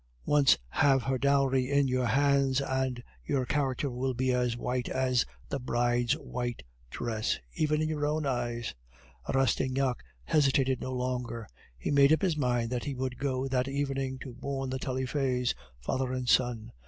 Once have her dowry in your hands, and your character will be as white as the bride's white dress, even in your own eyes." Rastignac hesitated no longer. He made up his mind that he would go that evening to warn the Taillefers, father and son.